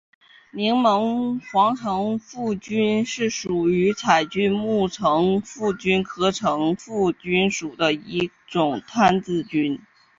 柠檬黄层腹菌是属于伞菌目层腹菌科层腹菌属的一种担子菌。